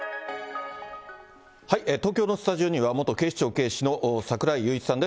東京のスタジオには、元警視庁警視の櫻井裕一さんです。